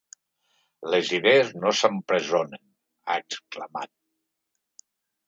Les idees no s’empresonen, ha exclamat.